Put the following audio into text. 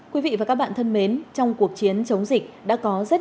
quý vị và các bạn thân mến trong cuộc chiến chống dịch